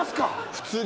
普通に。